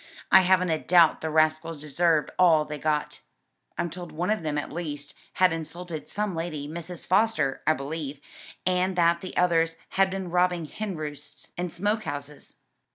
I haven't a doubt the rascals deserved all they got. I'm told one of them at least, had insulted some lady, Mrs. Foster, I believe, and that the others had been robbing hen roosts and smoke houses."